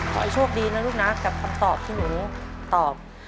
ขอให้โชคดีนะลูกนะกับคำตอบที่หนูตอบ